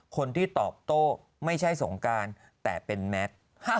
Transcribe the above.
คนที่ตอบโต้ไม่ใช่สงการแต่เป็นแมท